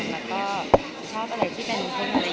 และก็ชอบอะไรที่เป็นเทคโนโลยี